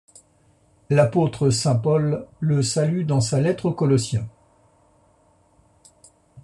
L'apôtre saint Paul le salue dans sa Lettre aux Colossiens.